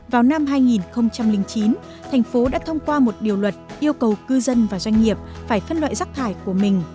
vào năm hai nghìn chín thành phố đã thông qua một điều luật yêu cầu cư dân và doanh nghiệp phải phân loại rác thải của mình